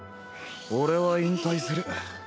俺は引退する。